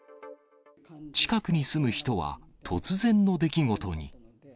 近くに住む人は、突然の出来事に。